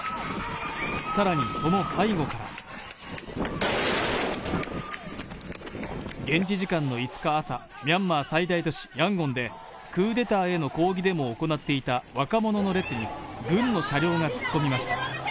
更に、その背後から現地時間の５日朝、ミャンマー最大都市ヤンゴンでクーデターへの抗議デモを行っていた若者の列に軍の車両が突っ込みました。